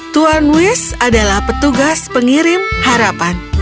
tuan wish adalah petugas pengirim harapan